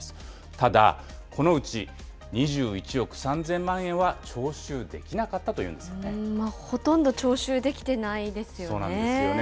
ただ、このうち２１億３０００万円は徴収できなかったというんでほとんど徴収できてないですそうなんですよね。